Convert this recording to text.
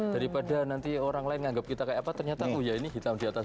daripada nanti orang lain menganggap kita kayak apa ternyata oh ya ini hitam di atas